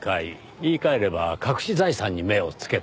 言い換えれば隠し財産に目をつけた。